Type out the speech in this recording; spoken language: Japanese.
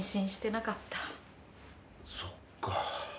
そっか。